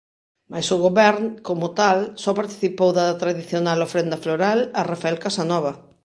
Mais o Govern, como tal, só participou da tradicional ofrenda floral a Rafael Casanova.